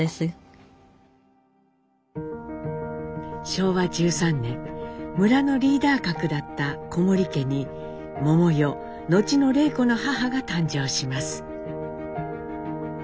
昭和１３年村のリーダー格だった小森家に百代後の礼子の母が誕生します。